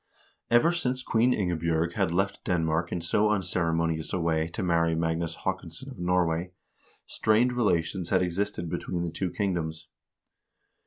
Ever since Queen Ingebj0rg had left Denmark in so unceremonious a way to 'marry Magnus Haakonsson of Norway, strained relations had existed between the two kingdoms.